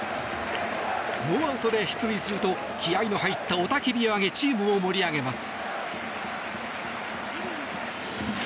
ノーアウトで出塁すると気合の入った雄たけびを上げチームを盛り上げます。